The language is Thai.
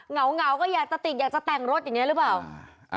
เหงาก็อยากจะติดอยากจะแต่งรถอย่างนี้หรือเปล่า